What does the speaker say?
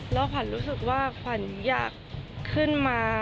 แล้วขวัญรู้สึกว่าขวัญอยากขึ้นมา